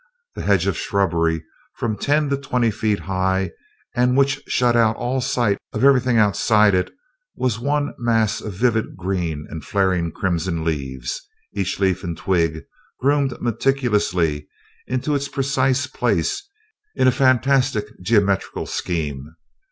The hedge of shrubbery, from ten to twenty feet high, and which shut out all sight of everything outside it, was one mass of vivid green and flaring crimson leaves; each leaf and twig groomed meticulously into its precise place in a fantastic geometrical scheme.